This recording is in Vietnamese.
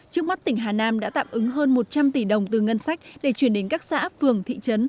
trước mắt tỉnh hà nam đã tạm ứng hơn một trăm linh tỷ đồng từ ngân sách để chuyển đến các xã phường thị trấn